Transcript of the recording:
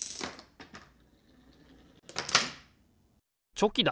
チョキだ！